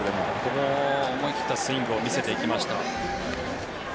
思い切ったスイングを見せていきました。